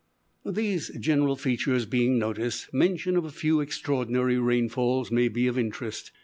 These general features being noticed, mention of a few extraordinary rainfalls may be of interest.